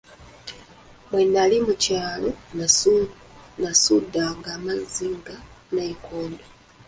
Bwe nali mu kyalo nasundanga amazzi ga nayikondo.